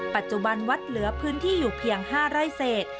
ปัจจุบันวัดเหลือพื้นที่อยู่เพียง๕ไร่เศษ